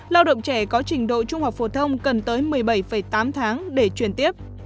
lao động trẻ có trình độ trung học phổ thông cần tới một mươi bảy tám tháng để chuyển tiếp